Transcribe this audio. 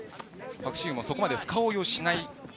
パク・シウもそこまで深追いをしない。